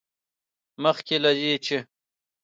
مخکې له دې، چې